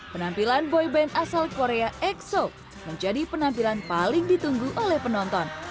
penampilan boy band asal korea exo menjadi penampilan paling ditunggu oleh penonton